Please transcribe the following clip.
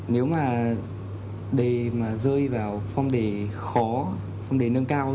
nếu mà đề mà rơi vào phong đề khó phong đề nâng cao